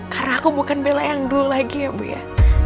karena aku bukan bella yang dulu lagi ya bu ya